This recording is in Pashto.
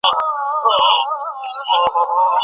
احساسات زموږ په چلند ژوره اغیزه لري.